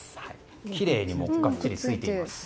きれいにがっちりとついています。